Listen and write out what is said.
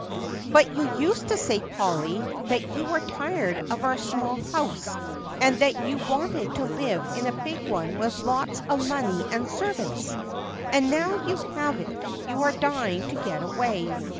"But you used to say, Polly, that you were tired of our small house and that you wanted to live in a big one with lots of money and servants. And now you have it you are dying to get away."